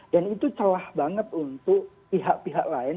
dan itu celah banget untuk pihak pihak lain